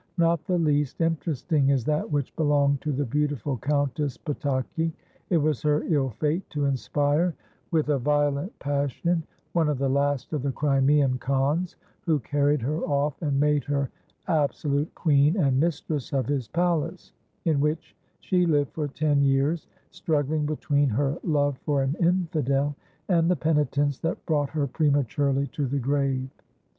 Not the least interesting is that which belonged to the beautiful Countess Potocki. It was her ill fate to inspire with a violent passion one of the last of the Crimean Khans, who carried her off and made her absolute queen and mistress of his palace, in which she lived for ten years, struggling between her love for an infidel, and the penitence that brought her prematurely to the grave.